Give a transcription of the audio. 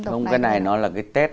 không cái này nó là cái tết